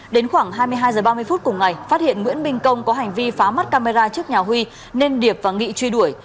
đến khoảng hai mươi hai h ba mươi phút cùng ngày phát hiện nguyễn minh công có hành vi phá mắt camera trước nhà huy nên điệp và nghị truy đuổi